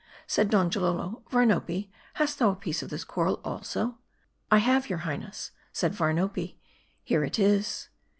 Said Donjalolo, "Varnopi, hast thou a piece of this coral, " I have, your highness," said Varnopi ; here it is."